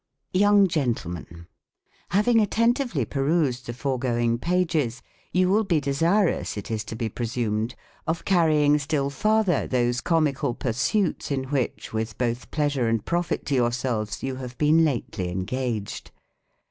Young Gentlemen, Having attentively perused the foregoing pages, you will be desirous, it is to be presumed, of carrying still farther those comical pursuits in which, with both pleasure and profit to yourselves, you have been lately engaged.